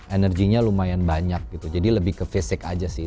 energinya lumayan banyak gitu jadi lebih ke fisik aja sih